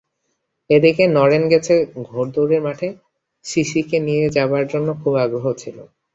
এ দিকে নরেন গেছে ঘোড়দৌড়ের মাঠে, সিসিকে নিয়ে যাবার জন্যে খুব আগ্রহ ছিল।